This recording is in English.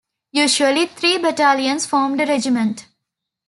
Usually, three battalions formed a regiment.